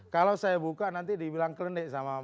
kalau saya buka nanti dibilang kelendek sama pak